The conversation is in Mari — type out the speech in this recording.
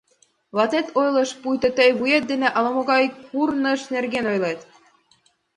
— Ватет ойлыш, пуйто тый вует дене ала-могай курныж нерген ойлет...